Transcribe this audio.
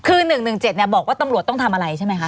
คือ๑๑๗บอกว่าตำรวจต้องทำอะไรใช่ไหมคะ